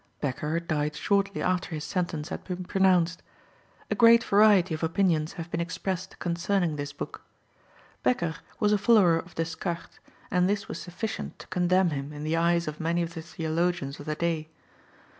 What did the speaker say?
Bekker died shortly after his sentence had been pronounced. A great variety of opinions have been expressed concerning this book. Bekker was a follower of Descartes, and this was sufficient to condemn him in the eyes of many of the theologians of the day.